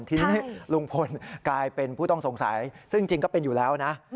ทีนี้ลุงพลกลายเป็นผู้ต้องสงสัยซึ่งจริงก็เป็นอยู่แล้วนะ